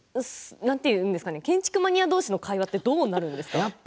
建築マニア同士の会話ってどうなるんですか。